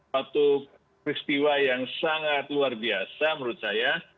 satu peristiwa yang sangat luar biasa menurut saya